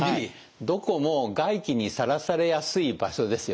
どこも外気にさらされやすい場所ですよね。